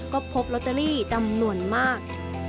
ก็พบลอตเตอรี่จำนวนมาก